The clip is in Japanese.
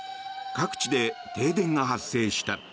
各地で停電が発生した。